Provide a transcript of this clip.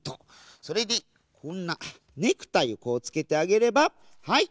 それでこんなネクタイをこうつけてあげればはい！